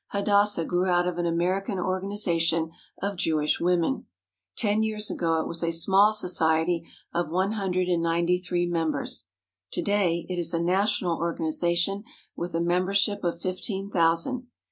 Hadassah grew out of an American organization of Jewish women. Ten years ago it was a small society of one hun dred and ninety three members. To day it is a national organization with a membership of fifteen thousand.